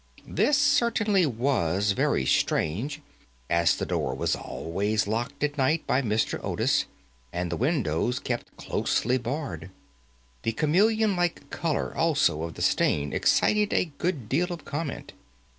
This certainly was very strange, as the door was always locked at night by Mr. Otis, and the windows kept closely barred. The chameleon like colour, also, of the stain excited a good deal of comment.